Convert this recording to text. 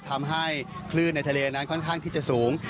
ทำให้คลื่นในทะเลนั้นค่อนข้างที่จะสูง